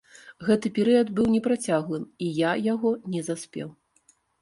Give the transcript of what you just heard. Гэты перыяд быў непрацяглым і я яго не заспеў.